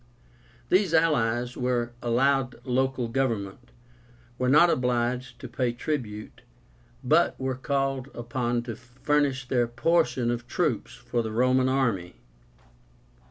These allies were allowed local government, were not obliged to pay tribute, but were called upon to furnish their proportion of troops for the Roman army.